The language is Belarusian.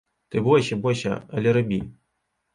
Ты бойся, бойся, але рабі.